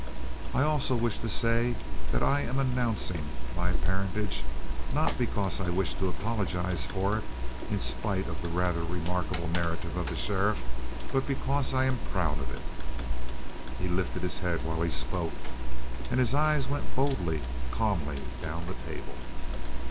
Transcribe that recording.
I also wish to say that I am announcing my parentage not because I wish to apologize for it in spite of the rather remarkable narrative of the sheriff but because I am proud of it." He lifted his head while he spoke. And his eye went boldly, calmly down the table.